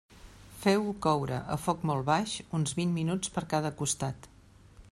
Feu-ho coure, a foc molt baix, uns vint minuts per cada costat.